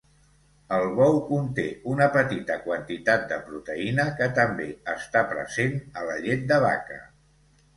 El bou conté una petita quantitat de proteïna que també està present a la llet de vaca.